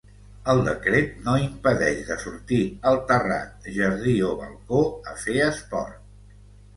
El decret no impedeix de sortir al terrat, jardí o balcó a fer esport.